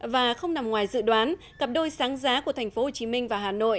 và không nằm ngoài dự đoán cặp đôi sáng giá của tp hcm và hà nội